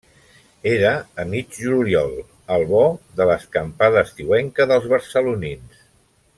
Era a mig juliol, al bo de l'escampada estiuenca dels barcelonins.